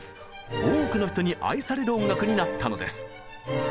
多くの人に愛される音楽になったのです。